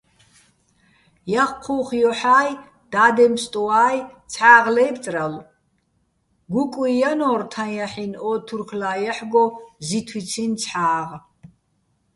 ჲაჴჴუხ ჲოჰ̦ა́ჲ, დადემფსტუა́ჲ ცჰ̦ა́ღ ლაჲბწრალო̆, გუკუჲ ჲანო́რ თაჼ ჲაჰ̦ინო̆ ო თურქლა ჲაჰ̦გო ზითვიციჼ ცჰ̦ა́ღ.